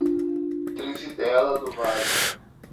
Trizidela do Vale